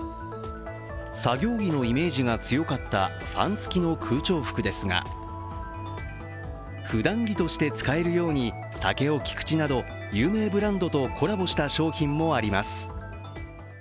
作業着のイメージが強かったファンつきの空調服ですが、ふだん着として使えるようにタケオキクチなど有名ブランドとコラボした商品もあります。